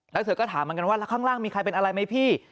แล้วเธอก็ถามเหมือนกันว่าแล้วข้างล่างมีใครเป็นอะไรไหมพี่